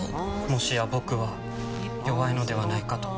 もしや僕は弱いのではないかと。